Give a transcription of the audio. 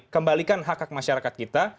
kembalikan hak hak masyarakat kita